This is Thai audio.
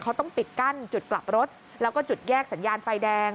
เขาต้องปิดกั้นจุดกลับรถแล้วก็จุดแยกสัญญาณไฟแดง